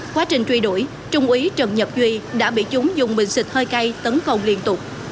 quá trình truy đuổi trung úy trần nhật duy đã bị chúng dùng bình xịt hơi cay tấn công liên tục